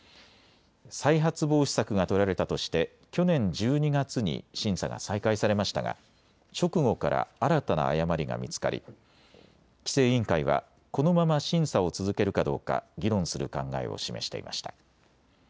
再発防止策が取られたとして去年１２月に審査が再開されましたが直後から新たな誤りが見つかり規制委員会はこのまま審査を続けるかどうか議論する考えを示していました。